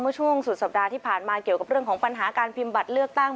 ช่วงสุดสัปดาห์ที่ผ่านมาเกี่ยวกับเรื่องของปัญหาการพิมพ์บัตรเลือกตั้ง